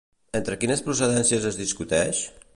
Entre quines procedències es discuteix?